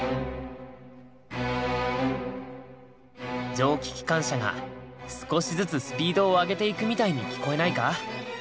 蒸気機関車が少しずつスピードを上げていくみたいに聴こえないか？